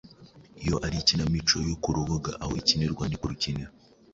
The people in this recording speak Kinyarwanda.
Iyo ari ikinamico yo ku rubuga aho ikinirwa ni urukiniro